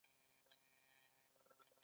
موږ ولې خوب ته اړتیا لرو